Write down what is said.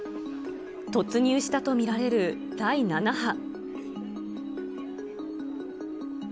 突入したと見られる第７波。